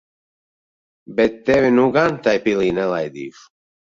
Bet tevi jau nu gan tai pilī nelaidīšu.